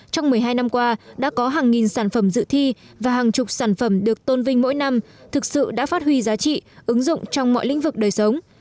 trong một mươi hai năm qua đã có hàng nghìn sản phẩm dự thi và hàng chục sản phẩm được tôn vinh mỗi năm thực sự đã phát huy giá trị ứng dụng trong mọi lĩnh vực đời sống